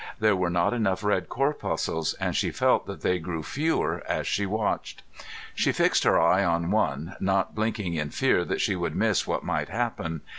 There were not enough red corpuscles, and she felt that they grew fewer as she watched. She fixed her eye on one, not blinking in fear that she would miss what might happen.